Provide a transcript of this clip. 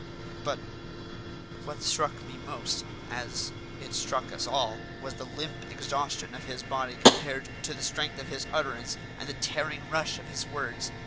But what struck me most, as it struck us all, was the limp exhaustion of his body compared to the strength of his utterance and the tearing rush of his words.